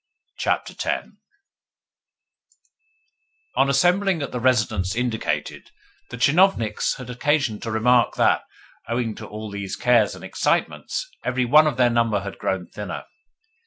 CHAPTER X On assembling at the residence indicated, the tchinovniks had occasion to remark that, owing to all these cares and excitements, every one of their number had grown thinner.